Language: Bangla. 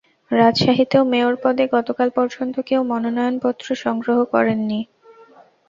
রাজশাহীতেও মেয়র পদে গতকাল পর্যন্ত কেউ মনোনয়নপত্র সংগ্রহ করেননি।